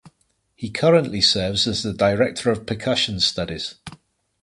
He currently serves as the Director of Percussion Studies.